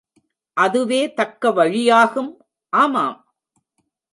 அதுவே தக்க வழியாகும். ஆமாம்!